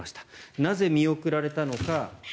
なぜ見送られたのか。